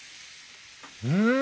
うん！